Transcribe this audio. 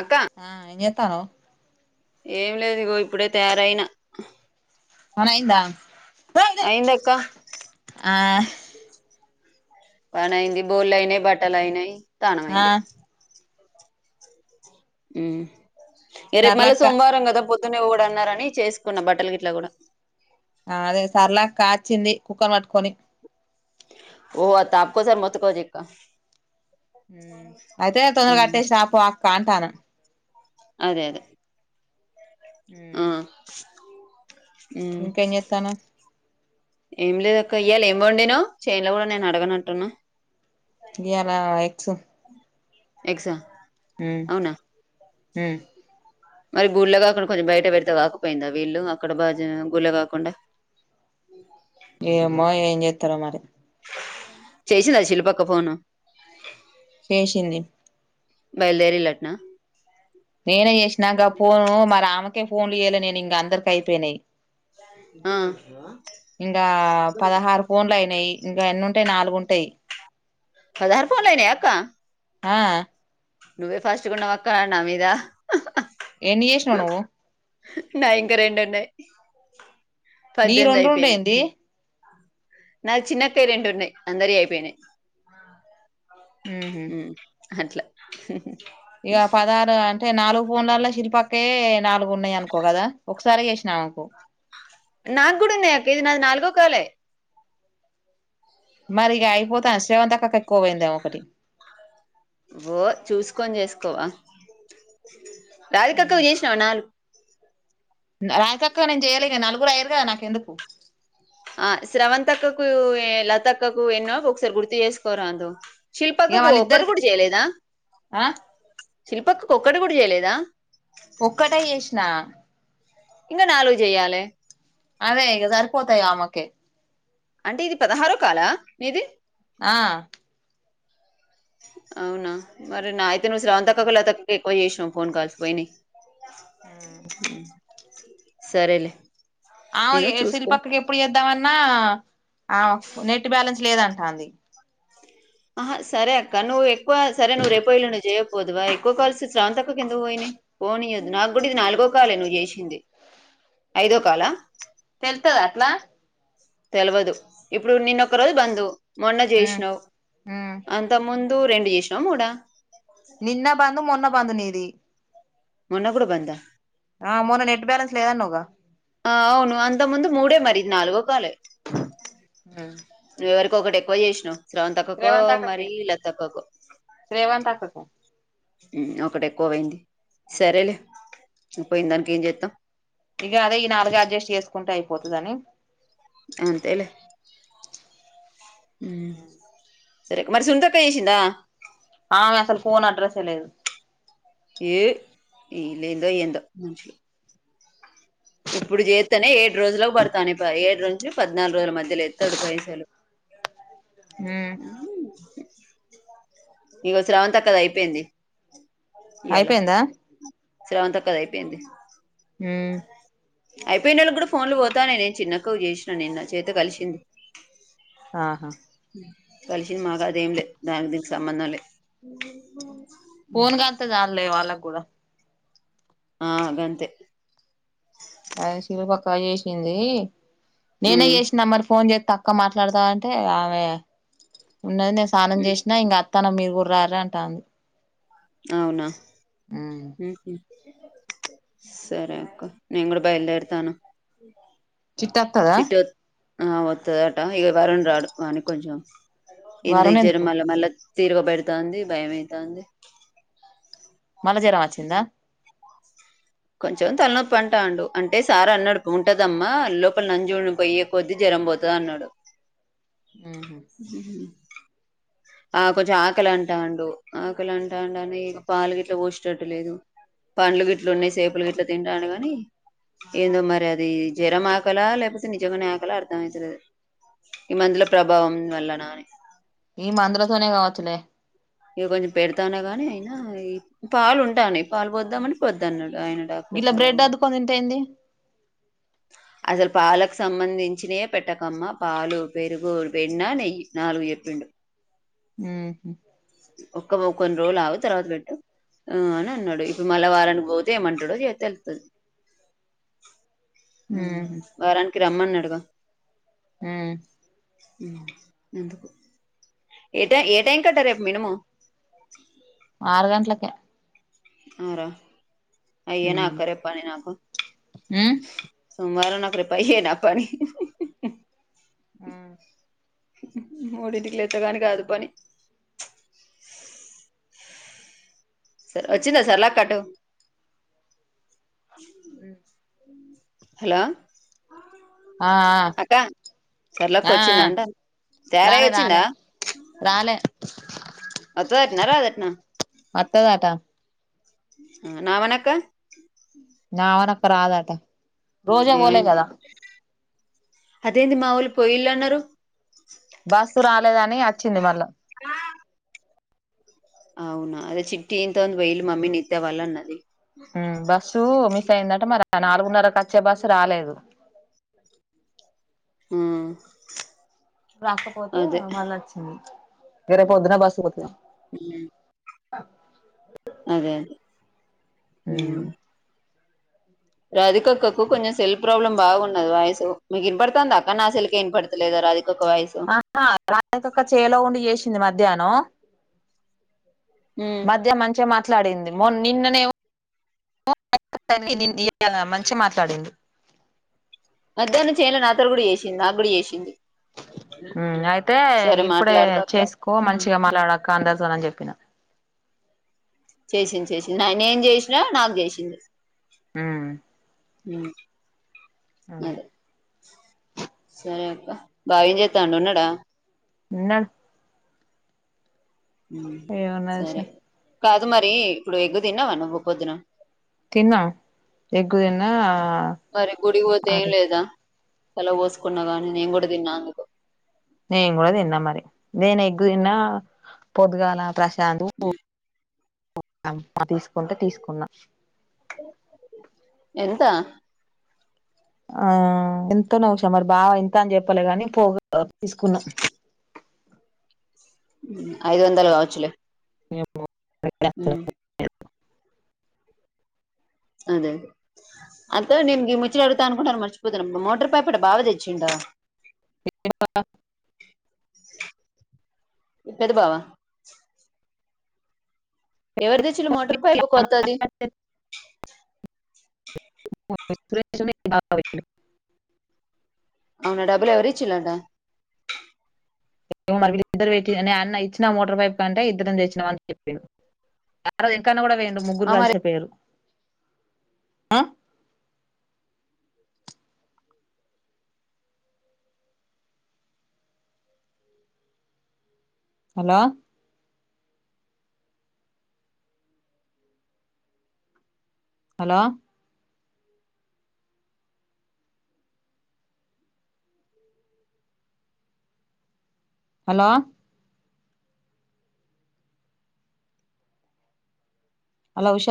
అక్క ఆ ఇనేతానో ఏం లేదు ఇగో ఇప్పుడే తయారయినా అనయిందా అఐంద అక్క ఆ పనాయింది బోల్ యినాయి బటా ైనాయి ఆ తానాయింది ఏరేపు మళ సర్లక్క సోమవారం అంగదా పో కూడా అన్నార అని చేసుకున్న బట్టలు గిట్లా కూడా అ అదే సర్లా కాచింది కుక్కని పట్టుకొని ఓ అత ఆకో సార్ మత్తకోజ అయితే తొందర కట్టేసినపు అక్క అంటాను అదే అదే హ అ ఏం లేదు ఒకక్క ఇయ్యాలి ఏమ వండిను చేైనులో కూడా నేను అడగనట్టున్నా ఇయాల ఎక్స ఎక్సా హుమ్మ్ హుమ్మ్ మరి గుళ్ళె కాకుండా కొంచెం బయట పెడితే కాకపోయిందా వీళ్ళు అక్కడ బా గుళ్లో కాకుండా ఏమో ఏం చేతారో మరి చేసిందా శిల్పక్క ఫోను చేసింది బయల్దరలట్నా నేనే చేసినాక ఫోను మరి ఆమెకే ఫోన్లు ఇయలే నేను ఇంకా గందర్ కైపేనే ఆ ఇంకా పదహారు ఫోన్లు అయినాయి ఇంకా ఎన్ని ఉంటాయి నాలుగు ఉంటాయి పదహారు ఫోన్ లైనయ అక్క ఆ నువ్వే ఫస్ట్ గుంన్నవక్క నా మీదా ఎన్ని చేసినవ్ నువ్వు నాయి ఇంకా రెండు ఉన్నాయి నీయి పద్దెనిమిది రెండు ఉండుండు అయిపోయినాయి ఏంది నాకు చిన్నక్కయ రెండున్నాయి అందరివి అయిపోయినాయి హ్మ్ హు ఉమ్ అట్లా ఇగ పదారు అం టే నాలుగు ఫోన్లల్లో శిల్పక్కే నాలుగు ఉన్నాయి అనుకో కదా ఒకసారి చేసినా ఆమెకు నాకు కూడా ఉన్నాయి అక్కే ఇది నాది నాలుగో కాలే మరి ఇగ అయిపోతా శ్రావంతి అక్కకు ఎక్కువ పోయిందేమో ఒకటి ఓ చూసుకొని చేసుకోవా రాధిక్కకు చేసినావా నాలు రాధిక్కకు నేను చేయలే నాలుగురు అయరు కదా నాకు ఎందుకు ఆ శ్రావంతక్క కు లత అక్కకు ఎన్నో ఒకసారి గుర్తు చేసుకో రాదు ఇగ శిల్పక్కకు ఒక్కటి వాళ్ళిద్దరికి కూడా చేయలేదా ఆ శిల్పక్కకు ఒక్కటి కూడా చేయలేదా ఒక్కటే చేసిన ఇంగా నాలుగు చెయ్యాలే అదే ఇగ సరిపోతాయి ఆమెకే అంటే ఇది పదహారో కాలా నీది ఆ అవునా మరి నా అయితే నువ్వు స్రవంతి అక్కకు లత అక్కకు ఎక్కువ చేసినవ్ ఫోన్ కాల్స్ పోయినాయ్ సరేలే ఆ నేను ఎ చూసుకో శిల్పక్కకి ఎప్పుడు చేద్దామన్నా ఆ నెట్ బాలన్స్ లేదన్ టాది ఆహా సరే అక్క నువ్వు ఎక్కువ సరే నువ్వు రేపో యెలుండో చేయకపోతివా ఎక్కువ కాల్స్ శ్రావంతకు ఎందుకు పోయినాయి పోనీయ్యోదు నాకు కూడా ఇది నాలుగో కాలే నువ్వు చేసింది ఐదో కాలా తెలుతద అట్లా తెలివదు ఇప్పుడు నిన్నొ ఒక రోజు బంద్ మొన్న ఉమ్ చేసినావ్ ఉమ్ అంత ముం దు రెండు చేసినావ్ మూడా నిన్న బంద్ మొన్న బంద్ నీది మొన్న కూడా బందా ఆ మొన్న నెట్ బాలెన్స్ లేదన్నవ్ గా ఆ అవును అంతకు ముందు మూడే మరి ఇది నాలుగో కాలే అ నువ్వు ఎవరికో ఒకటి ఎక్కువ చేసినావ్ శ్రవణతక్కకో అక్కకే మరి లతక్కకో రేవంత్ అక్కకు హ్మ్ ఒకటి ఎక్కువ పోయింది సరేలే పోయిన దానికి ఏం చేతాం ఇగ అదే ఈ నాలుగు అడ్జస్ట్ చేసుకుంటే అయిపోతదని అంతేలే అ ఉమ్ సరే మరి సునీతక్క చేసిందా. ఆమె అసలు ఫోన్ అడ్రెసె లేదు. ఏ ఈలేందో ఏందో మనుషులు ఇప్పుడు చేతానే ఏడు రోజులకు పడతాని ఏడు రోజు పద్నాలుగు రోజుల మధ్యలో ఏతాడు పైసలు. [inaudible] ఉమ్ ఇగో స్రవంత అక్కది అయిపోయింది. అయిపోయిందా. స్రవంత అక్కది అయిపోయింది. హ్మ్ అయిపోయిన వాళ్ళకి కూడా ఫోన్ లు పోతానయ్ నేను చిన్నక్క చేసిన నిన్న చేతే కలిసింది. ఆహా ఉ కలిసింది మాగాదేంలే దానికి దీనికి సంబంధంలే ఫోన్ కల్తే చాలే వాళ్ళకి కూడా ఆ గంతే అది సురుపక్క చేసింది నేనే ఉమ్ చేసిన మరి ఫోన్ చే తక్కువ మాట్లాడతావంటే ఆమె ఉన్నది నేను స్నానం చేసినా ఇంకా తను మీరు కూడా రారా అంటాంది. అవునా ఉమ్ ఉహు సరే అక్క నేను కూడా బయలుదేరతాను చిట్టి అత్తాదా ఆ ఒత్తదటా ఈ వారం రాడు. వానికి కొంచెం ఏందో వరుణ్ ఎందుకు జరిమల మళ్ళ తిరగబెడతాంది భయమైతాంది మళ్ళ జరం వచ్చిందా కొంచెం తలనొప్పి అంటాండు. అంటే సార్ అన్నాడు ఉంటదమ్మా లోపల నంజోల్లు పోయ్యే కొద్ది జర రం పోతది అన్నాడు [inaudible] ఉహు ఉహు ఆ కొంచెం ఆకలి అంటాండు. ఆకలి అంటాండు అని పాలుగీట్లా పోసేటట్టులేదు. పండ్లు గిట్లు ఉన్నాయి సేపులు గిట్లా తింటాండు గాని ఏందో మరి అది జ్వరం ఆకలా లేకపోతే నిజంగానే ఆకలా అర్థంమయితలేదు ఈ మందుల ప్రభావం వల్ల నా అని ఈ మందులతోనే కావచ్చలే ఇక కొంచెం పెడతానా కాని అయినా ఈ పాలు ఉంటానయి పాలు పోద్దామని వద్దు అన్నాడు గిలా బ్రెడ్ అద్దుకోని తింటే ఏంది అసలు పాలకు సంబంధించినయే పెట్టకమ్మ, పాలు పెరుగు, వెన్న, నెయ్యి నాలుగు చెప్పిండు ఉహు ఒక కొన్ని రోజులు అగు తర్వాత పెట్టు ఆ అని అన్నాడు ఇప్పుడు మళ్ళ వారనికి పోతే ఏమంటాడో చే తేళ్తది [inaudible] ఉమ్ వారానికి రమ్మనాడుగా ఉ ఎందుకు ఏ టైం ఏ టైం కట్టా రేపు మినిమం ఆరు గంట్లకే ఆరా ఉ అయ్యే నాకు రేపు పని నాకు, ఉ సోమవారం నాకు రేపు అయ్యేనా పని. ఉ మూడింటికి లేస్తే కాని కాదు పని [inaudible] సరే వచ్చిందా సరళక్క అటు ఉ హలో ఆ అక్క సర్లక్క ఆ ఆ వచ్చిందంట తేరయి రాలే రాలే వచ్చిందా రాలే అతో ఎట్న రా ఏట్నా వత్తదటా నా వేనకా నా వెనక రాదట రోజు పోలే కదా అదేంటి మావోళ్ళు పోయిళ్ళన్నారు బస్సు రాలేదని వచ్చింది మళ్ళా అవునా అదే చిట్టి ఇంట్లోనుండి పోయిండ్రు మమ్మీ నిత్యా వాళ్ళు అన్నది ఆ బస్సు అ పోయిందట మరి నాలుగున్నరకొచ్చే బస్సు రాలేదు హ్మ్మ్ రాకపోతే మళ్ళ నచ్చింది వేరే పొద్దున బసు పోతునామ్ హ్మ్మ్ ఆ అదే అదే హ్మ్మ్ రాధికక్కకుర్ కొంచెం సెల్ఫ ప్రాబ్లమ్ బాగున్నది వయసు మీకు ఇన్ పడుతుందిాక్క నా సెల్కే ఇన పడతలేదా రాధిక ఆ రాదికక్క చేలో ఉండి చేసింది మధ్యాహ్నం ఉమ్ మధ్య మంచిగా మాట్లాడింది మొ నిన్ననేమో మంచి మాట్లాడింది మధ్యాహ్నం చేనులో నాతోను చేసింది నాకూ కూడా చేసింది అయితే సరే ఇప్పుడే మాట్లాడతా అక్క చేసుకో మంచిగా మలాడక అందరితో అని చెప్పిన చేసింది చేసింది నేను చేసినా నాకు చేసింది హ్మ్మ్ హ్మ్మ్ అదే సరే అక్క బావ ఏం చేస్తానాడు ఉన్నాడా ఉండా ఏమున్నది సరే షా కాదు మరి ఇప్పుడు ఎగు తిన్నావా నువ్వు పొద్దున తిన్నాం ఎగ్గు తిన్నా సరే గుడి పోతే ఏం అది లేదా చల పోసుకున్నా గానీ నేను కూడా తిన్నా అందుకు నేను కూడా తిన్నా మరి నేను ఎగ్గు తిన్నా పొద్దుగాల ప్రశాంత్ తీసుకుంటే తీసుకున్నా ఎంత ఆ ఎంతోనసా మరి బావ ఎంత అని చెప్పలేి గాని పోగా తీసుకున్నాం ఐదు వందలు కావచ్చులే ఏమో నాకు తెలవదు అదే అంతతే నేను ఇ ముచ్చిలు అడుతా అనుకుంట మర్చిపోతున్నాను మోటార్ పైప అ బావ తెచ్చిండా ఏడా ఇ పెద బావా ఎవరు తేచిరు మోటార్ పైపు కొత్తది [unintelligible] అవునా డబ్బుల్ ఎవరిచ్చలాంటా మద్దరు నే అన్న ఇచ్చిన మోటార్ పైప్ కంటే ఇద్దరం చేసినామ అని చెప్పాను ఎంకన్నా కూడ పోయెండు ముగ్గురు మరి కలిసేపోయరు ఆ hello hello hello hello Usha